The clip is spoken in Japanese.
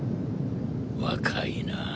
若いな。